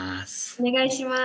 お願いします。